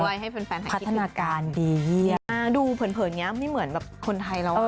ให้แฟนหายคิดถึงกันพัฒนาการดีดูเผินเนี่ยไม่เหมือนแบบคนไทยแล้วค่ะ